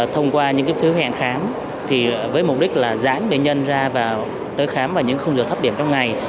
thông qua những phương hẹn khám với mục đích là giãn bệnh nhân ra khám vào những khung giờ thấp điểm trong ngày